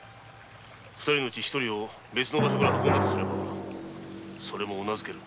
二人のうち一人を別の場所から運んだとすればうなずける。